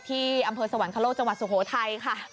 ที่อำเภอสวรรคโลกจังหวัดสุโขทัยค่ะ